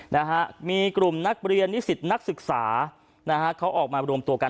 นะฮะมีกลุ่มนักเรียนนิสิตนักศึกษานะฮะเขาออกมารวมตัวกัน